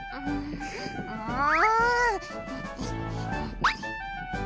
もう！